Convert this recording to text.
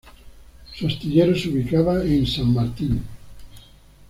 Su astillero se ubicaba en San Martín.